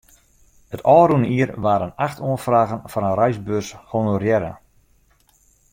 It ôfrûne jier waarden acht oanfragen foar in reisbeurs honorearre.